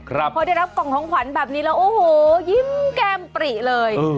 พอได้รับกล่องของขวัญแบบนี้แล้วโอ้โหยิ้มแก้มปริเลย